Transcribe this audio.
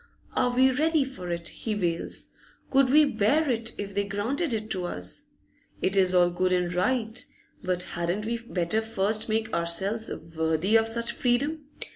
Are we ready for it? he wails. Could we bear it, if they granted it to us? It is all good and right, but hadn't we better first make ourselves worthy of such freedom?